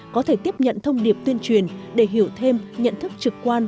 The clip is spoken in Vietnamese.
có thể tiếp nhận thông điệp tuyên truyền để hiểu thêm nhận thức trực quan